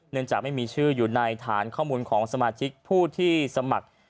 จากไม่มีชื่ออยู่ในฐานข้อมูลของสมาชิกผู้ที่สมัคร